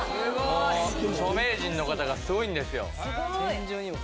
著名人の方がすごいんですよ。